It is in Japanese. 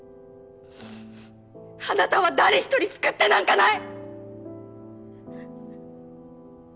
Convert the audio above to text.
あなたは誰１人救ってなんかない！！